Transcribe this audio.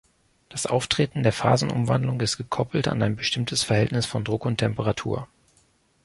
Das Auftreten der Phasenumwandlung ist gekoppelt an ein bestimmtes Verhältnis von Druck und Temperatur.